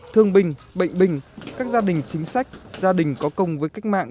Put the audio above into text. thương binh bệnh binh các gia đình chính sách gia đình có công với cách mạng